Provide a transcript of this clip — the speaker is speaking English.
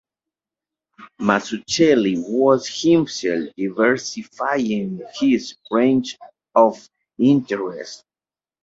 Mazzucchelli was himself diversifying his range of interests.